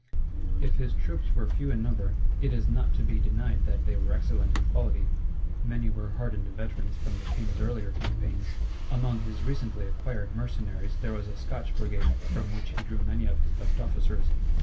If his troops were few in number, it is not to be denied that they were excellent in quality. Many were hardened veterans from the king's earlier campaigns; among his recently acquired mercenaries there was a Scotch brigade, from which he drew many of his best officers.